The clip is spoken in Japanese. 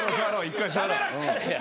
しゃべらせたれや。